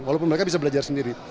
walaupun mereka bisa belajar sendiri